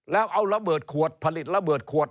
แล้วเอาระเบิดขวดผลิตระเบิดขวด